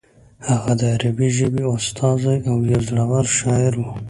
هغه د عربي ژبې استازی او یو زوړور شاعر و.